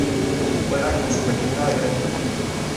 Juega en la Super Liga de Grecia.